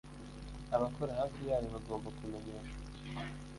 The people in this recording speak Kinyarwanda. Abakora hafi yayo bagomba kumenyeshwa